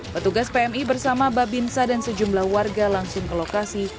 petugas pmi bersama babinsa dan sejumlah warga langsung ke lokasi